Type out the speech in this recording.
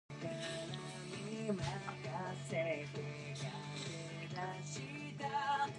It also includes several of Sydney's outer southern suburbs, including Heathcote and Bundeena.